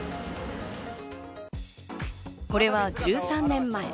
これは１３年前。